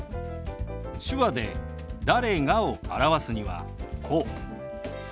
手話で「誰が」を表すにはこう。